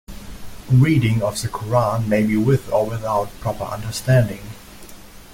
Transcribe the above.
Reading of the Quran may be with or without proper understanding.